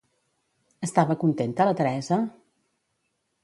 Estava contenta la Teresa?